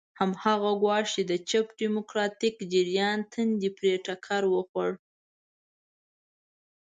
هماغه ګواښ چې د چپ ډیموکراتیک جریان تندی پرې ټکر وخوړ.